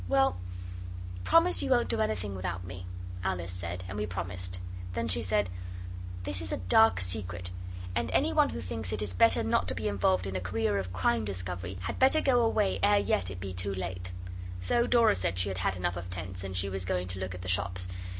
'Well, promise you won't do anything without me,' Alice said, and we promised. Then she said 'This is a dark secret, and any one who thinks it is better not to be involved in a career of crime discovery had better go away ere yet it be too late.' So Dora said she had had enough of tents, and she was going to look at the shops.